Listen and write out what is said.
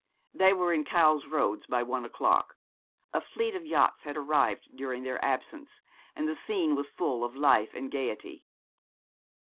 They were in Cowes Roads by one o'clock. A fleet of yachts had arrived during their absence, and the scene was full of life and gaiety.